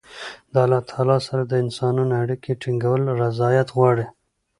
د الله تعالی سره د انسانانو اړیکي ټینګول رياضت غواړي.